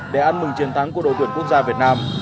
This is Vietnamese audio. để ăn mừng chiến thắng của đội tuyển quốc gia việt nam